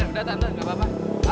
udah tante gak apa apa